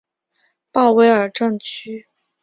鲍威尔镇区为位在美国堪萨斯州科曼奇县的镇区。